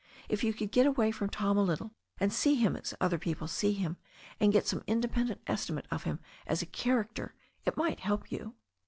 If you could get away from Tom a little, and see him as other people see him, and get some independent estimate of him as a character, it might help you."